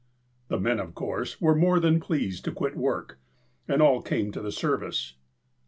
The men, of course, were more than pleased to quit work, and all came to the service.